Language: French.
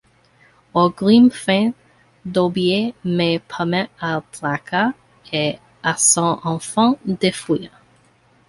Orgrim feint d’obéir mais permet à Draka et à son enfant de fuir.